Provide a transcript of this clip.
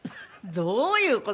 どういう事？